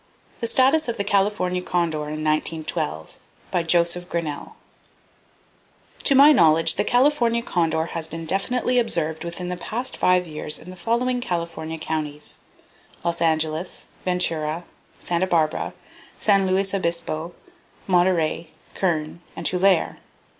The Status Of The California Condor In 1912 By Joseph Grinnell "To my knowledge, the California Condor has been definitely observed within the past five years in the following California counties: Los Angeles, Ventura, Santa Barbara, San Luis Obispo, Monterey, Kern, and Tulare.